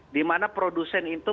dimana produsen itu